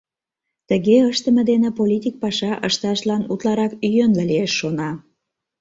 Тыге ыштыме дене политик паша ышташлан утларак йӧнлӧ лиеш — шона.